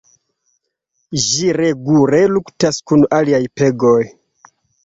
Ĝi regule luktas kun aliaj pegoj.